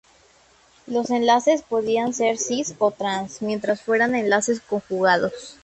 Los enlaces podían ser Cis o Trans, mientras fueran enlaces conjugados.